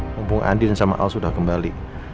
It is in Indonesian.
mumpung andin sama al sudah kembali